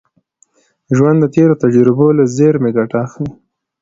ژوند د تېرو تجربو له زېرمي ګټه اخلي.